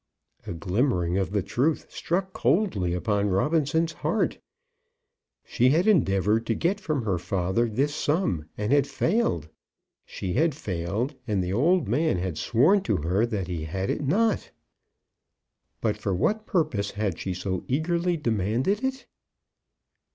A glimmering of the truth struck coldly upon Robinson's heart. She had endeavoured to get from her father this sum and had failed. She had failed, and the old man had sworn to her that he had it not. But for what purpose had she so eagerly demanded it?